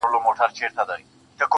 اوس مي د هغي دنيا ميـر ويـــده دی.